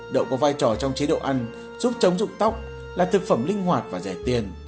đậu có vai trò trong chế độ ăn giúp chống dụng tóc là thực phẩm linh hoạt và rẻ tiền